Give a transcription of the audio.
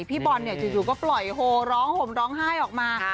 พี่บอลจู่ก็ปล่อยโฮร้องห่มร้องไห้ออกมา